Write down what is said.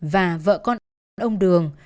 và vợ con ông đường